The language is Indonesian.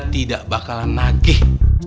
dia tidak bakalan nagih